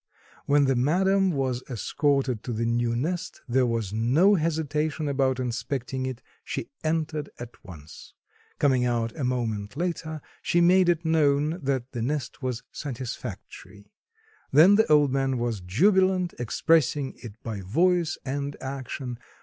When the madam was escorted to the new nest there was no hesitation about inspecting it; she entered at once. Coming out a moment later, she made it known that the nest was satisfactory. Then the old man was jubilant, expressing it by voice and action.